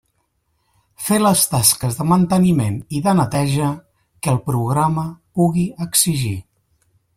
Fer les tasques de manteniment i de neteja, que el programa pugui exigir.